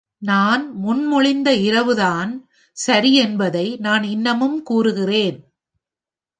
நான் முன்மொழிந்த இரவுதான் சரி என்பதை நான் இன்னமும் கூறுகிறேன்.